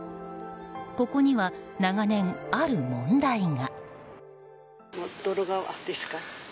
ここには長年、ある問題が。